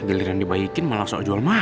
gelir yang dibaikin malah sok jual mahal